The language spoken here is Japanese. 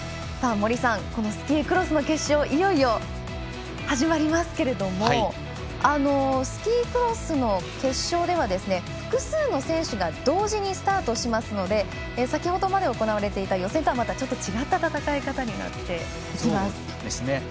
森さん、スキークロスの決勝いよいよ始まりますけれどもスキークロスの決勝では複数の選手が同時にスタートしますので先ほどまで行われていた予選とはまた違った戦い方になってきます。